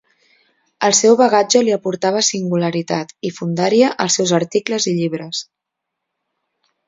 El seu bagatge li aportava singularitat i fondària als seus articles i llibres.